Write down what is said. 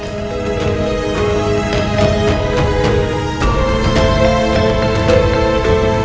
terima kasih nyai